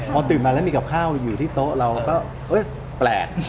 พอตื่นมาแล้วมีกับข้าวอยู่ที่โต๊ะเราก็แปลก